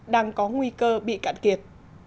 đang có nguy cơ bị cạn kiệt